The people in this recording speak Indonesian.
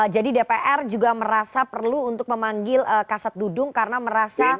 jadi dpr juga merasa perlu untuk memanggil kasat dudung karena merasa